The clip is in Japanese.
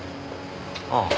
ああ。